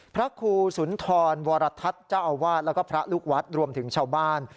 พระครูสุนทรวรทัศน์เจ้าอาวาสแล้วก็พระลูกวัดรวมถึงชาวบ้าน